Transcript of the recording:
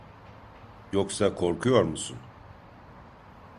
Yoksa korkuyor musun?